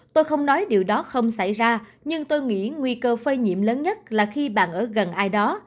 tôi không nói điều đó không xảy ra nhưng tôi nghĩ nguy cơ phơi nhiễm lớn nhất là khi bạn ở gần ai đó